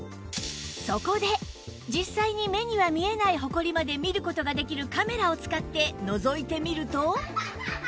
そこで実際に目には見えないホコリまで見る事ができるカメラを使ってのぞいてみると